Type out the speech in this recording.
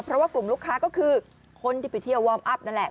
เพราะว่ากลุ่มลูกค้าก็คือคนที่ไปเที่ยววอร์มอัพนั่นแหละ